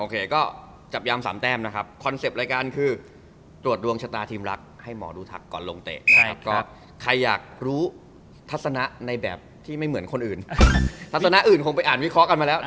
เดี๋ยวเราก็ต้องฝากรายการเราเหมือนกันนะครับ